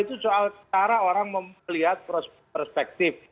itu soal cara orang melihat perspektif